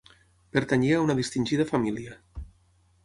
Pertanyia a una distingida família.